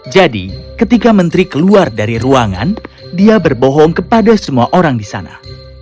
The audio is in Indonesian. jadi ketika menteri keluar dari ruangan dia berbohong kepada semua orang di sana